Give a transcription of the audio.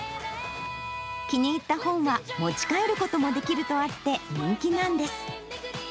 気に入った本は持ち帰ることもできるとあって、人気なんです。